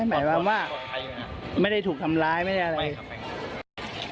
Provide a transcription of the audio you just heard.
หมายความว่าไม่ได้ถูกทำร้ายไม่ได้อะไรไม่ได้ทำอะไร